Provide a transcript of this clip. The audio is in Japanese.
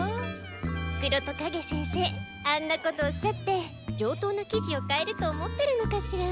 黒戸カゲ先生あんなことおっしゃって上等な生地を買えると思ってるのかしら？